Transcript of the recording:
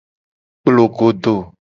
Kplogodo.